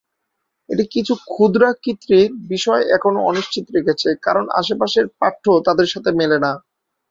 এটি কিছু ক্ষুদ্রাকৃতির বিষয় এখনও অনিশ্চিত রেখেছে, কারণ আশেপাশের পাঠ্য তাদের সাথে মেলে না।